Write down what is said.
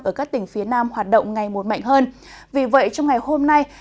ở các tỉnh phía nam hoạt động ngày mùa mạnh hơn